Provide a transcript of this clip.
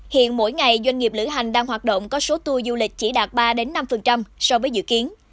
hiện mỗi ngày doanh nghiệp lữ hành đang hoạt động có số tour du lịch chỉ đạt ba năm so với dự kiến